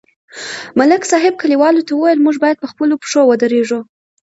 ملک صاحب کلیوالو ته وویل: موږ باید په خپلو پښو ودرېږو